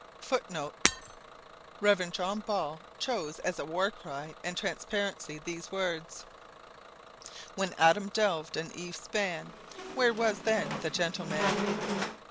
[A] [Footnote A: Rev. John Ball chose as a war cry and transparency these words: "When Adam delved and Eve span, Where was then the gentleman?"